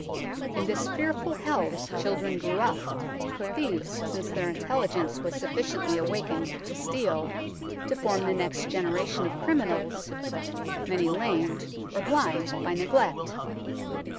In this fearful hell children grew up, thieves since their intelligence was sufficiently awakened to steal, to form the next generation of criminals, many lamed or blind by neglect.